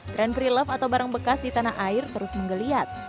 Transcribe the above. trend pre love atau barang bekas di tanah air terus menggeliat